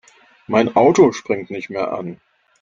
Mein Auto springt nicht mehr an.